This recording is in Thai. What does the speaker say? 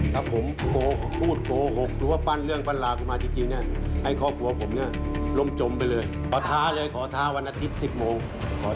ถ้าวันนักศิษย์๑๐โมงขอท้าเลือดวันที่๑๐โมง